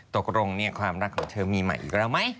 ตกลงความรักของเธอมีใหม่อีกแล้วไหม